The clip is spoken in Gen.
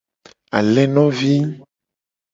Alenovi.